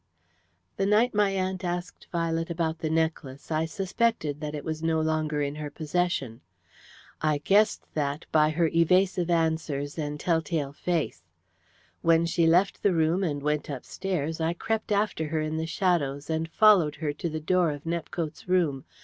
"The night my aunt asked Violet about the necklace I suspected that it was no longer in her possession. I guessed that by her evasive answers and telltale face. When she left the room and went upstairs I crept after her in the shadows and followed her to the door of Nepcote's room.